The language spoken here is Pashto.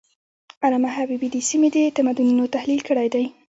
علامه حبيبي د سیمې د تمدنونو تحلیل کړی دی.